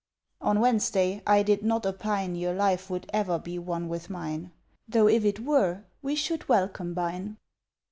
On Wednesday I did not opine Your life would ever be one with mine, Though if it were we should well combine.